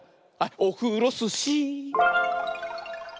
「オフロスシー」